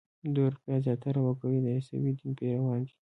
د اروپا زیاتره وګړي د عیسوي دین پیروان دي.